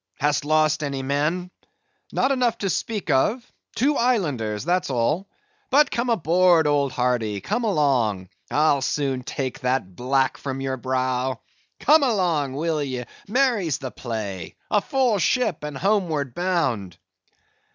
Hast lost any men?" "Not enough to speak of—two islanders, that's all;—but come aboard, old hearty, come along. I'll soon take that black from your brow. Come along, will ye (merry's the play); a full ship and homeward bound."